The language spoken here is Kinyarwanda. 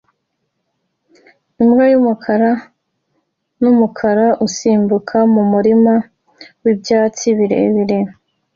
imbwa yumukara numukara isimbuka mumurima wibyatsi birebire